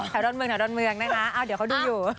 ดอนเมืองแถวดอนเมืองนะคะเดี๋ยวเขาดูอยู่